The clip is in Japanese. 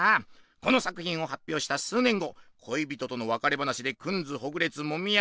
この作品を発表した数年後恋人との別れ話でくんずほぐれつもみ合ううちにズドーン！